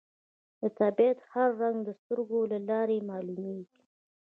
د طبیعت هر رنګ د سترګو له لارې معلومېږي